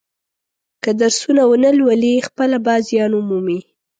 که درسونه و نه لولي خپله به زیان و مومي.